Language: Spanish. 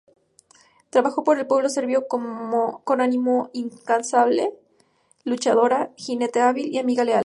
Trabajó por el pueblo serbio con animo incansable: luchadora, jinete hábil y amiga leal.